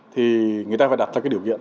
thì người ta phải đặt ra điều kiện